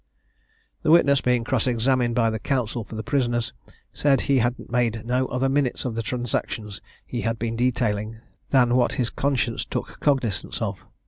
The witness, being cross examined by the counsel for the prisoners, said he had made no other minutes of the transactions he had been detailing than what his conscience took cognisance of.